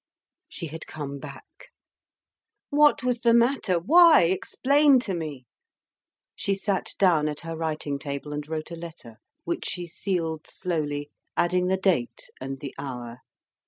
She had come back. "What was the matter? Why? Explain to me." She sat down at her writing table and wrote a letter, which she sealed slowly, adding the date and the hour.